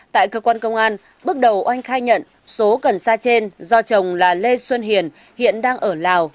tại cơ quan công an bước đầu oanh khai nhận số cần sa trên do chồng là lê xuân hiền hiện đang ở lào